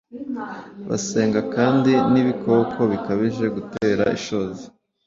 Basenga kandi n’ibikoko bikabije gutera ishozi,